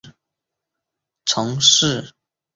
后崇祀新城乡贤祠。